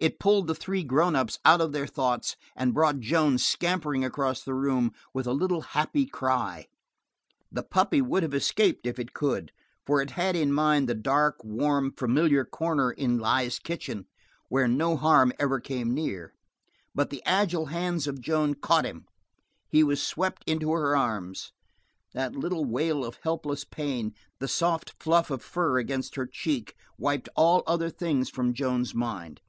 It pulled the three grown ups out of their thoughts; it brought Joan scampering across the room with a little happy cry. The puppy would have escaped if it could, for it had in mind the dark, warm, familiar corner in Li's kitchen where no harm ever came near, but the agile hands of Joan caught him; he was swept into her arms. That little wail of helpless pain, the soft fluff of fur against her cheek, wiped all other things from Joan's mind.